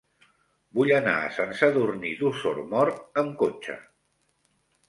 Vull anar a Sant Sadurní d'Osormort amb cotxe.